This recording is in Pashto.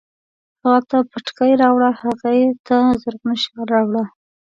هغه ته پټکی راوړه، هغې ته زرغون شال راوړه